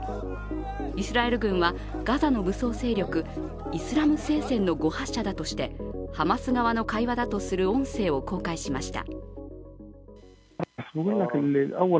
イスラエル軍はガザの武装勢力、イスラム聖戦の誤発射だとしてハマス側の会話だとする音声を公開しました。